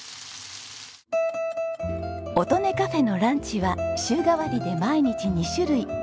音音かふぇのランチは週替わりで毎日２種類。